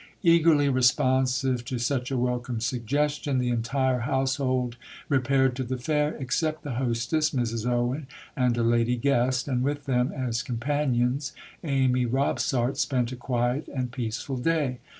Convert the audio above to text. Eagerly responsive to such a welcome suggestion the entire household repaired to the fair, except the hostess (Mrs Owen) and a lady guest; and with them as companions Amy Robsart spent a quiet and peaceful day.